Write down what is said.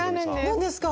何ですか？